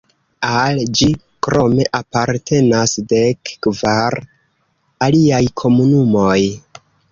Al ĝi krome apartenas dek-kvar aliaj komunumoj.